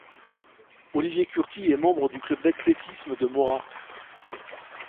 Olivier Curty est membre du club d'athlétisme de Morat.